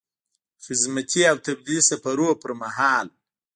د خدمتي او تبدیلي سفرونو پر مهال.